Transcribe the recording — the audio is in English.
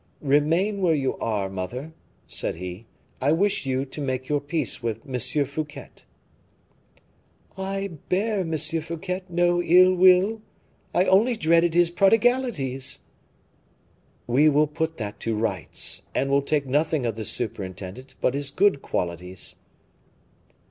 "Remain where you are, mother," said he, "I wish you to make your peace with M. Fouquet." "I bear M. Fouquet no ill will; I only dreaded his prodigalities." "We will put that to rights, and will take nothing of the superintendent but his good qualities."